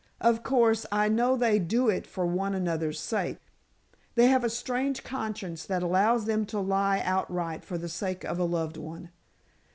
Of course, I know they do it for one another's sake. They have a strange conscience that allows them to lie outright for the sake of a loved one.